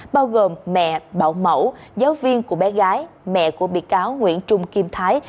bao gồm mẹ bảo mẫu giáo viên của bé gái mẹ của bị cáo nguyễn trung kim thái